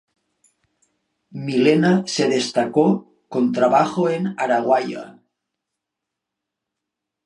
Milena se destacó con trabajo en Araguaia.